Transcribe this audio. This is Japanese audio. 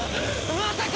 まさか！